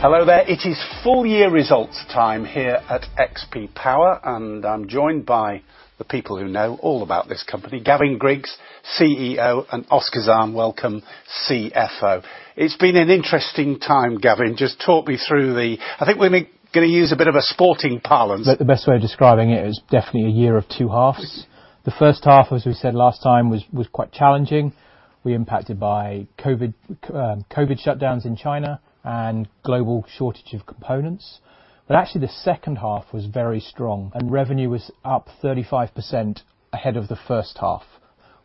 Hello there. It is full year results time here at XP Power. I'm joined by the people who know all about this company, Gavin Griggs, CEO, and Oskar Zahn, welcome, CFO. It's been an interesting time, Gavin. Just talk me through. I think we're gonna use a bit of a sporting parlance. The best way of describing it is definitely a year of two halves. Yes. The first half, as we said last time, was quite challenging. We were impacted by COVID shutdowns in China and global shortage of components. Actually, the second half was very strong, and revenue was up 35% ahead of the first half,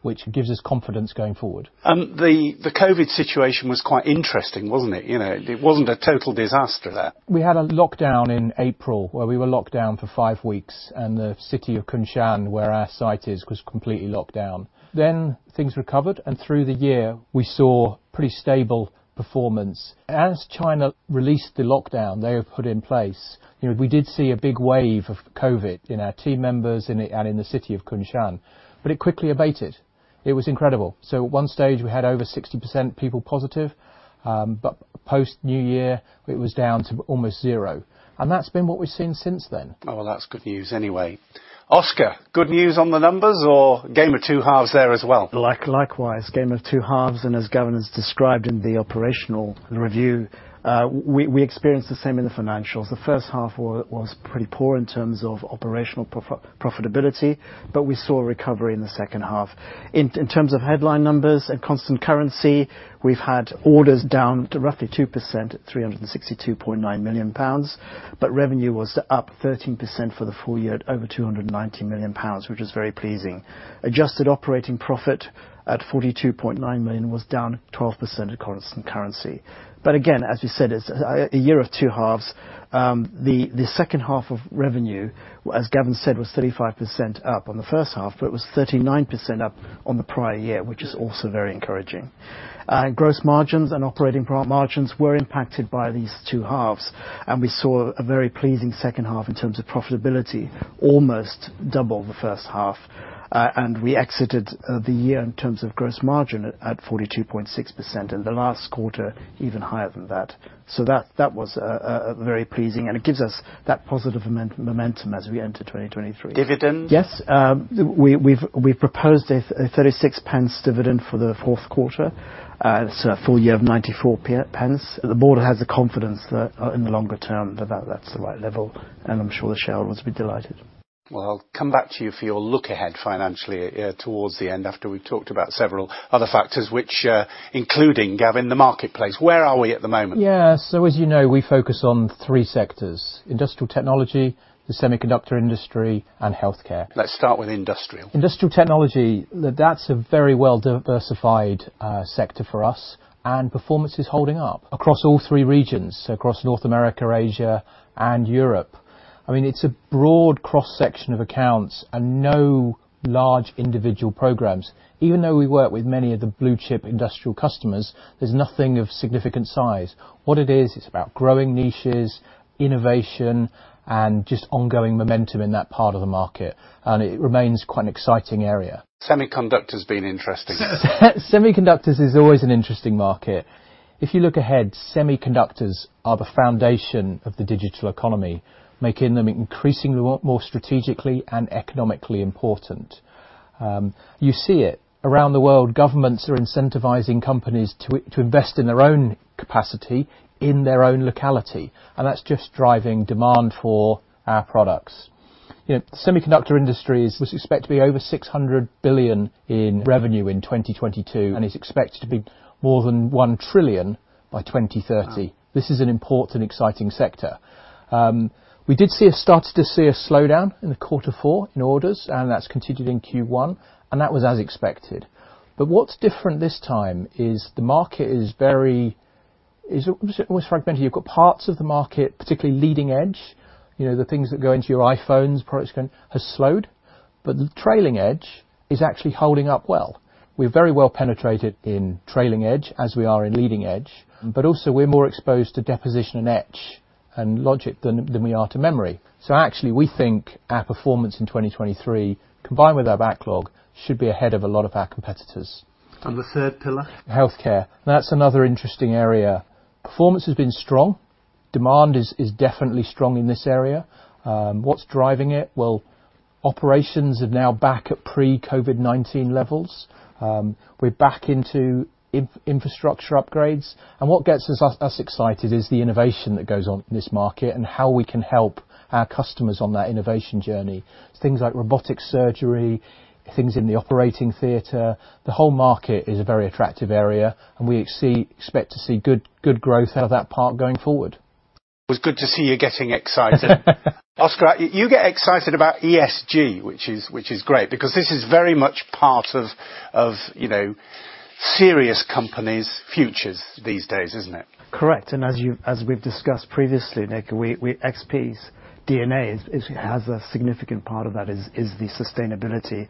which gives us confidence going forward. The COVID situation was quite interesting, wasn't it? You know Yeah. It wasn't a total disaster there. We had a lockdown in April, where we were locked down for 5 weeks, and the city of Kunshan, where our site is, was completely locked down. Things recovered, and through the year, we saw pretty stable performance. As China released the lockdown they had put in place, you know, we did see a big wave of COVID in our team members and in the city of Kunshan, but it quickly abated. It was incredible. At one stage, we had over 60% people positive, but post New Year, it was down to almost 0. That's been what we've seen since then. Oh, well, that's good news anyway. Oskar, good news on the numbers or game of two halves there as well? Likewise, game of two halves, as Gavin's described in the operational review, we experienced the same in the financials. The first half was pretty poor in terms of operational profitability, we saw a recovery in the second half. In terms of headline numbers at Constant Currency, we've had orders down to roughly 2% at 362.9 million pounds, revenue was up 13% for the full year at over 290 million pounds, which was very pleasing. Adjusted Operating Profit at 42.9 million was down 12% at Constant Currency. Again, as we said, it's a year of two halves. The second half of revenue, as Gavin said, was 35% up on the first half, but it was 39% up on the prior year, which is also very encouraging. Gross margins and operating margins were impacted by these two halves, and we saw a very pleasing second half in terms of profitability, almost double the first half. We exited the year in terms of gross margin at 42.6%, in the last quarter, even higher than that. That was very pleasing, and it gives us that positive momentum as we enter 2023. Dividends? Yes. We've proposed a 36 pence dividend for the fourth quarter. It's a full year of 94 pence. The board has the confidence that in the longer term that's the right level, and I'm sure the shareholders will be delighted. I'll come back to you for your look ahead financially towards the end after we've talked about several other factors which including, Gavin, the marketplace. Where are we at the moment? Yeah. As you know, we focus on three sectors, Industrial Technology, the Semiconductor industry, and Healthcare. Let's start with industrial. Industrial technology, that's a very well-diversified sector for us. Performance is holding up across all three regions, across North America, Asia, and Europe. I mean, it's a broad cross-section of accounts and no large individual programs. Even though we work with many of the blue chip industrial customers, there's nothing of significant size. What it is, it's about growing niches, innovation, and just ongoing momentum in that part of the market. It remains quite an exciting area. Semiconductor's been interesting. Semiconductors is always an interesting market. If you look ahead, semiconductors are the foundation of the digital economy, making them increasingly more strategically and economically important. You see it. Around the world, governments are incentivizing companies to invest in their own capacity in their own locality, and that's just driving demand for our products. You know, semiconductor industry is, was expected to be over 600 billion in revenue in 2022, and is expected to be more than 1 trillion by 2030. Wow. This is an important and exciting sector. We did see a slowdown in the quarter four in orders. That's continued in Q1, and that was as expected. What's different this time is the market is almost fragmented. You've got parts of the market, particularly Leading-Edge, you know, the things that go into your iPhones, products going, has slowed. The Trailing-Edge is actually holding up well. We're very well penetrated in Trailing-Edge as we are in Leading-Edge. Also we're more exposed to Deposition and Etch and logic than we are to memory. Actually, we think our performance in 2023, combined with our backlog, should be ahead of a lot of our competitors. The third pillar? Healthcare. That's another interesting area. Performance has been strong. Demand is definitely strong in this area. What's driving it? Well, operations are now back at pre-COVID-19 levels. We're back into infrastructure upgrades. What gets us excited is the innovation that goes on in this market and how we can help our customers on that innovation journey. Things like Robotic Surgery, things in the operating theater. The whole market is a very attractive area, and we expect to see good growth out of that part going forward. It was good to see you getting excited. Oskar, you get excited about ESG, which is great, because this is very much part of, you know, serious companies' futures these days, isn't it? Correct. As we've discussed previously, Nick, XP's DNA has a significant part of that is the sustainability.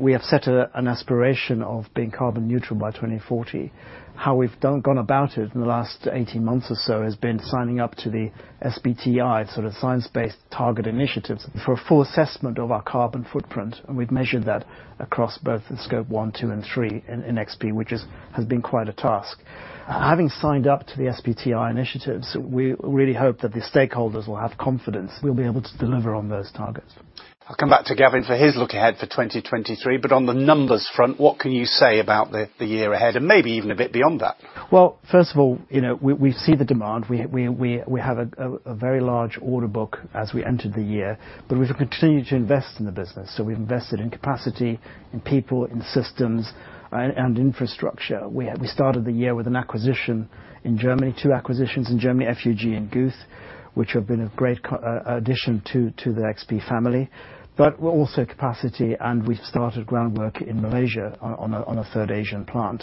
We have set an aspiration of being carbon neutral by 2040. How we've gone about it in the last 18 months or so has been signing up to the SBTi, sort of Science Based Targets initiative for a full assessment of our carbon footprint, and we've measured that across both the Scope 1, 2, and 3 in XP, which has been quite a task. Having signed up to the SBTI initiatives, we really hope that the stakeholders will have confidence we'll be able to deliver on those targets. I'll come back to Gavin for his look ahead for 2023. On the numbers front, what can you say about the year ahead and maybe even a bit beyond that? First of all, you know, we see the demand. We have a very large order book as we entered the year, we will continue to invest in the business. We've invested in capacity, in people, in systems and infrastructure. We started the year with an acquisition in Germany, two acquisitions in Germany, FuG and Guth, which have been a great addition to the XP family. We're also capacity, and we've started groundwork in Malaysia on a third Asian plant.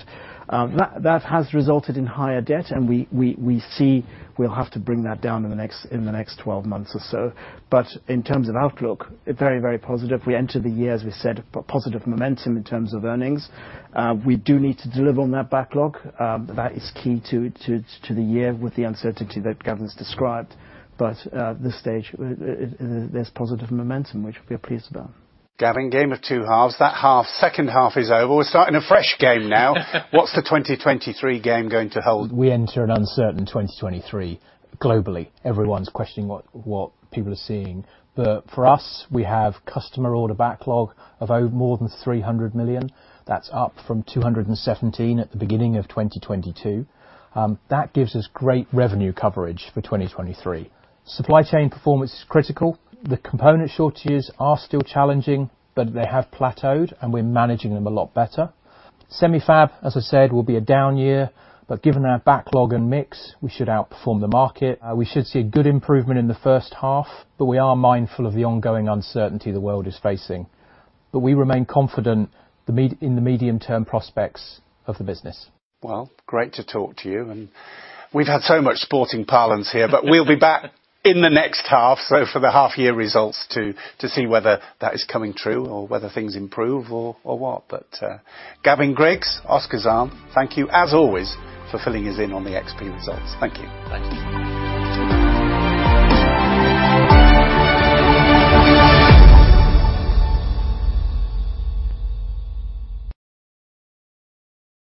That has resulted in higher debt, and we see we'll have to bring that down in the next 12 months or so. In terms of outlook, very positive. We entered the year, as we said, positive momentum in terms of earnings. We do need to deliver on that backlog. That is key to the year with the uncertainty that Gavin's described. At this stage, there's positive momentum which we're pleased about. Gavin, game of two halves. That half, second half is over. We're starting a fresh game now. What's the 2023 game going to hold? We enter an uncertain 2023 globally. Everyone's questioning what people are seeing. For us, we have customer order backlog of over more than 300 million. That's up from 217 million at the beginning of 2022. That gives us great revenue coverage for 2023. Supply chain performance is critical. The component shortages are still challenging, but they have plateaued, and we're managing them a lot better. Semi-Fab, as I said, will be a down year, but given our backlog and mix, we should outperform the market. We should see a good improvement in the first half, but we are mindful of the ongoing uncertainty the world is facing. We remain confident in the medium-term prospects of the business. Well, great to talk to you, and we've had so much sporting parlance here. We'll be back in the next half, so for the half-year results to see whether that is coming true or whether things improve or what. Gavin Griggs, Oskar Zahn, thank you as always for filling us in on the XP results. Thank you. Thank you.